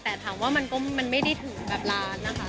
แต่ถามว่ามันก็มันไม่ได้ถึงแบบล้านนะคะ